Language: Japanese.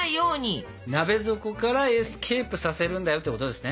鍋底からエスケープさせるんだよってことですね。